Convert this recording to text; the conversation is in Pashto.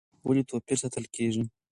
ولې توپیر ساتل کېږي؟